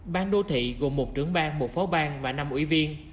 ban đô thị gồm một trưởng bang một phó bang và năm ủy viên